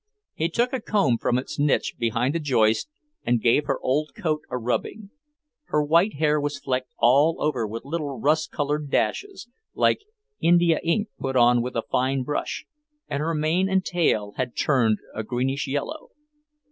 He took a comb from its niche behind a joist and gave her old coat a rubbing. Her white hair was flecked all over with little rust coloured dashes, like India ink put on with a fine brush, and her mane and tail had turned a greenish yellow.